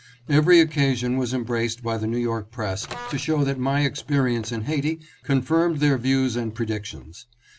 Every occasion was embraced by the New York press to show that my experience in Ha'iti con firmed their views and predictions.